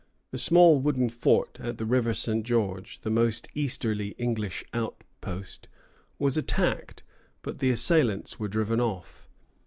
The small wooden fort at the river St. George, the most easterly English outpost, was attacked, but the assailants were driven off.